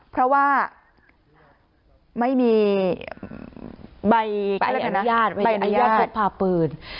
เพราะว่าไม่มีใบอนุญาตใบอนุญาตพกพาปืน